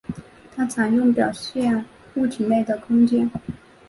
它常用于表现物体内的空间。